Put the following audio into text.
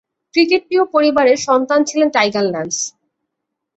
ক্রিকেটপ্রিয় পরিবারের সন্তান ছিলেন টাইগার ল্যান্স।